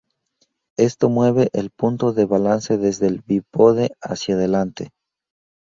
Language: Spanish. Esto mueve el punto de balance desde el bípode hacia adelante.